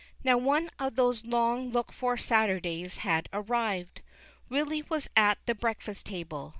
Now, one of these long looked for Saturdays had arrived. Willy was at the breakfast table.